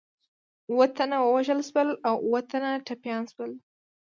اووه تنه ووژل شول او اووه تنه ټپیان شول.